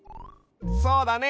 そうだね。